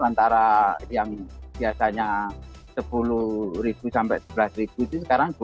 antara yang biasanya sepuluh sampai sebelas itu sekarang dua belas gitu